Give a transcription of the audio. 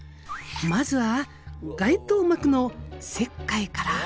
まずは外套膜の切開から。